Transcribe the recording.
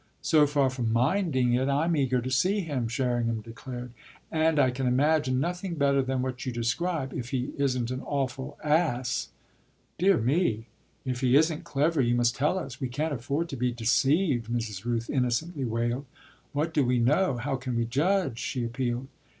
"So far from 'minding' it I'm eager to see him," Sherringham declared; "and I can imagine nothing better than what you describe if he isn't an awful ass." "Dear me, if he isn't clever you must tell us: we can't afford to be deceived!" Mrs. Rooth innocently wailed. "What do we know how can we judge?" she appealed.